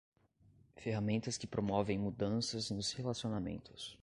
Ferramentas que promovem mudanças nos relacionamentos.